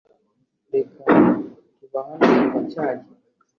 Reka tuba hano kuva cya gihe